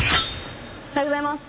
おはようございます。